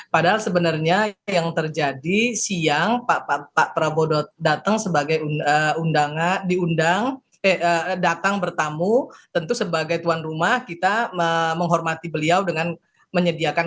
padahal sebenarnya yang terjadi siang pak prabowo datang sebagai undangan diundang datang bertamu tentu sebagai tuan rumah kita menghormati beliau dengan menyediakan